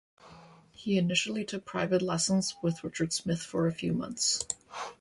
He initially took private lessons with Richard Schmidt for a few months.